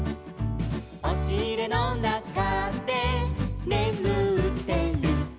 「おしいれのなかでねむってる」